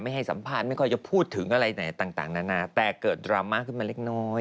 ให้สัมภาษณ์ไม่ค่อยจะพูดถึงอะไรไหนต่างนานาแต่เกิดดราม่าขึ้นมาเล็กน้อย